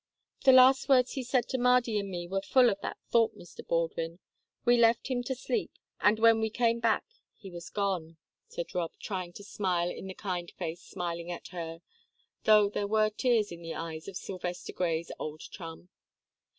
"The last words he said to Mardy and me were full of that thought, Mr. Baldwin. We left him to sleep, and when we came back he had gone," said Rob, trying to smile in the kind face smiling at her, though there were tears in the eyes of Sylvester Grey's old chum.